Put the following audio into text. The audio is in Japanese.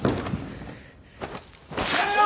やめろ！